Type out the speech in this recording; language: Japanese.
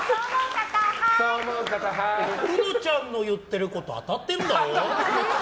うのちゃんの言ってること当たってるんだよ！